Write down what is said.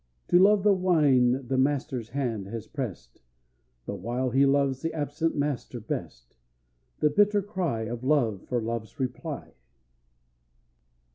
To love the wine the Master's hand has pressed, The while he loves the absent Master best, The bitter cry of Love for love's reply!